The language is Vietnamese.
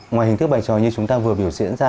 ngoài hình thức bài tròi như chúng ta vừa biểu diễn ra